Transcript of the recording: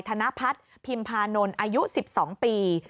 ธนพัฒน์พิมพานนท์อายุ๑๒ปี